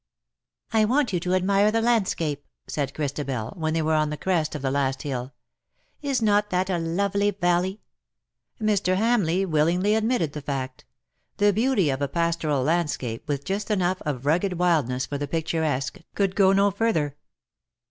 " I want you to admire the landscape,'' said Christabel, when they were on the crest of the last hill ;" is not that a lovely valley ?" Mr. Hamleigh willingly admitted the fact. The beauty of a pastoral landscape, with just enough of rugged wildness for the picturesque, could go no further.